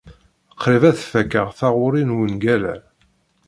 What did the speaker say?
Qrib ad fakeɣ taɣuri n wungal-a.